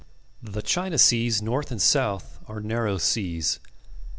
The China seas north and south are narrow seas.